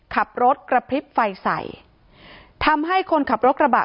ขับรถกระพริบไฟใส่ทำให้คนขับรถกระบะ